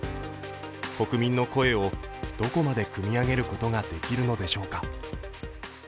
国民の声をどこまでくみ上げることができるのでしょうか。